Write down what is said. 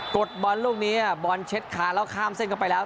ดบอลลูกนี้บอลเช็ดคาแล้วข้ามเส้นเข้าไปแล้ว